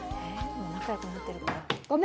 もう仲良くなってるから。